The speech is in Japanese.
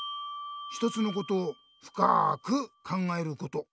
一つのことをふかく考えること。